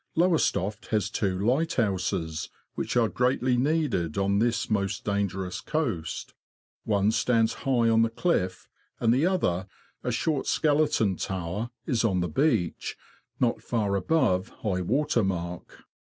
Lowes toft has two lighthouses, which are greatly needed on this most dangerous coast : one stands high on the clifT, and the other, a short, skeleton tower, is on the beach, not far above high water mark.